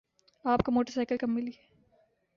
آپ کو motor cycle کب ملی؟